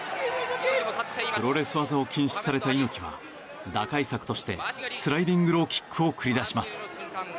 プロレス技を禁止された猪木は打開策としてスライディングローキックを繰り出します。